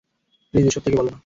Please এসব তাকে বলো না।